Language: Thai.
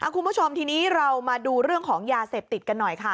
คุณผู้ชมทีนี้เรามาดูเรื่องของยาเสพติดกันหน่อยค่ะ